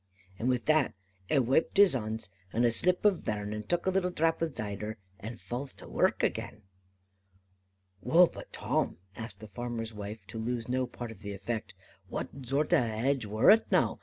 And wi' that, a waiped his hons with a slip of vern, and tuk a little drap of zider, and full to's wark again." "Wull, but Tim," asked the farmer's wife, to lose no part of the effect, "what zort of a hadge wor it now?